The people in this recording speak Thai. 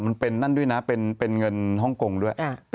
นั่นด้วยนะเป็นเงินฮ่องกงด้วย